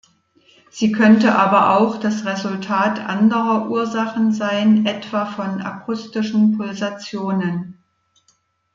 Sie könnte aber auch das Resultat anderer Ursachen sein, etwa von akustischen Pulsationen.